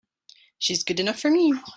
She's good enough for me!